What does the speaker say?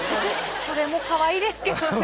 それもかわいいですけどね。